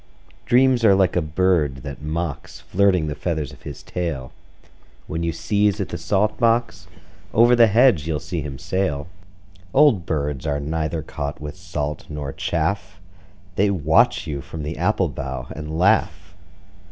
Dreams are like a bird that mocks, Flirting the feathers of his tail. When you sieze at the salt box, Over the hedge you'll see him sail. Old birds are neither caught with salt nor chaff: They watch you from the apple bough and laugh.